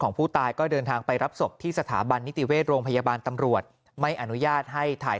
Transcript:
ผู้ตายก็เดินทางไปรับศพที่สถาบันนิติเวชโรงพยาบาลตำรวจไม่อนุญาตให้ถ่าย